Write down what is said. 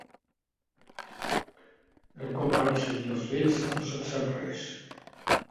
De com van seguir els fets no se'n sap res.